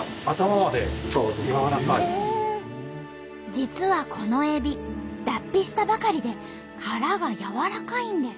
実はこのえび脱皮したばかりで殻がやわらかいんです。